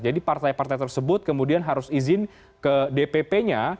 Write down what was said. jadi partai partai tersebut kemudian harus izin ke dpp nya